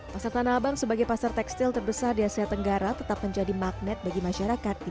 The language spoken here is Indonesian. pasar tanah abang sebagai pasar tekstil terbesar di asia tenggara tetap menjadi magnet bagi masyarakat